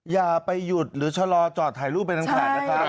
อย่าไปหยุดหรือชะลอจอดถ่ายรูปไปด้านขาดนะคะ